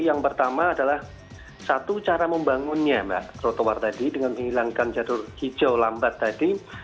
yang pertama adalah satu cara membangunnya mbak trotoar tadi dengan menghilangkan jalur hijau lambat tadi